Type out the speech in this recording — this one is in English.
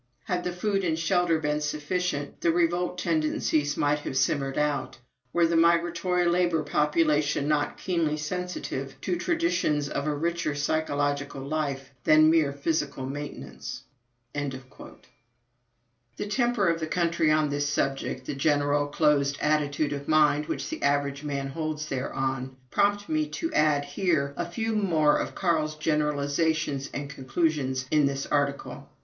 Had the food and shelter been sufficient, the revolt tendencies might have simmered out, were the migratory labor population not keenly sensitive to traditions of a richer psychological life than mere physical maintenance." The temper of the country on this subject, the general closed attitude of mind which the average man holds thereon, prompt me to add here a few more of Carl's generalizations and conclusions in this article.